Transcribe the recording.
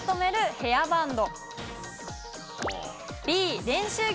ヘアバンド？